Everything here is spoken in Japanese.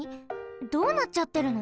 どうなっちゃってるの？